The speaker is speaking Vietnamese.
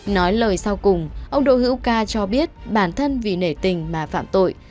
nói lời sau cùng ông đỗ hữu ca cho biết bản thân vì nể tình mà phạm tội